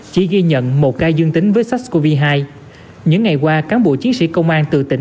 chỉ ghi nhận một ca dương tính với sars cov hai những ngày qua cán bộ chiến sĩ công an từ tỉnh